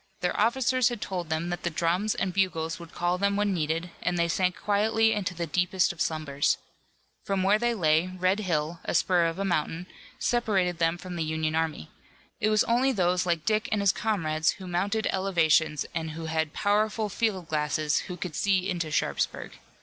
Their officers had told them that the drums and bugles would call them when needed, and they sank quietly into the deepest of slumbers. From where they lay Red Hill, a spur of a mountain, separated them from the Union army. It was only those like Dick and his comrades who mounted elevations and who had powerful field glasses who could see into Sharpsburg.